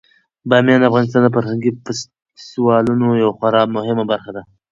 بامیان د افغانستان د فرهنګي فستیوالونو یوه خورا مهمه برخه ده.